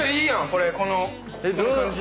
これこの感じ。